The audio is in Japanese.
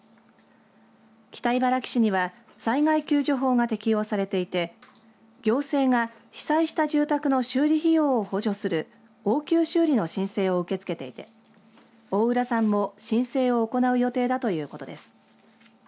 北茨城市には災害救助法が適用されていて行政が被災した住宅の修理費用を補助する応急修理の申請を受け付けていて大浦さんも申請を行う予定だということです。